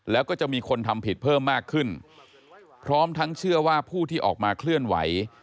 แล้วก็จะมีคนทำผิดเพิ่มมากขึ้นพร้อมทั้งเชื่อว่าผู้ที่ออกมาเคลื่อนไหว